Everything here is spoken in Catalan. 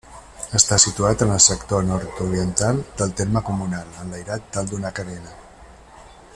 Està situat en el sector nord-oriental del terme comunal, enlairat dalt d'una carena.